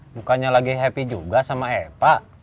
bukannya lagi happy juga sama epa